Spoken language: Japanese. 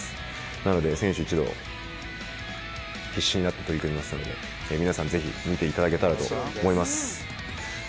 なので、選手一同、必死になって取り組みますので、皆さんぜひ見ていただけたらと思います。